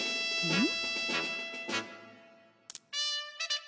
うん。